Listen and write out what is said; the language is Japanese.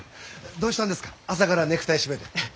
どうしたんですか朝からネクタイ締めて。